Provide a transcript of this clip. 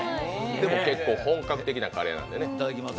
でも結構本格的なカレーなのでね。